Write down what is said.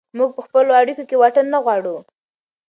موږ په خپلو اړیکو کې واټن نه غواړو.